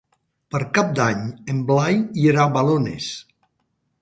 Per Cap d'Any en Blai irà a Balones.